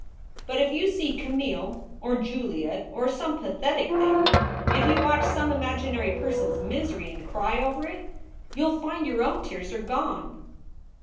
But if you see Camille or Juliet or some pathetic thing, if you watch some imaginary person s misery and cry over it, you ll find your own tears are gone."